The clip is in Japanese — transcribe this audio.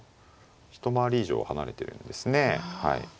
一回り以上離れてるんですね。